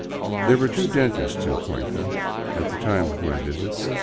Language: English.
There were two dentists in Cuenca at the time of my visit.